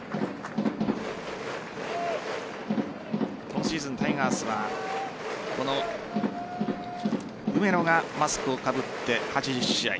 今シーズン、タイガースはこの梅野がマスクをかぶって８０試合。